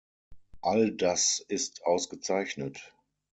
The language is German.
All das ist ausgezeichnet.